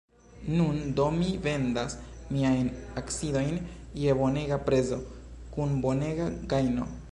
Nun do mi vendas miajn akciojn je bonega prezo, kun bonega gajno.